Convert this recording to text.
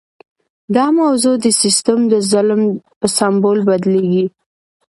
دا موضوع د سیستم د ظلم په سمبول بدلیږي.